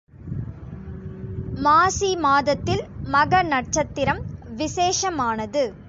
மாசி மாதத்தில் மக நட்சத்திரம் விசேஷமானது.